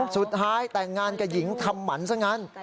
สุดท้ายแต่งงานกับหญิงทำหมันซะงั้น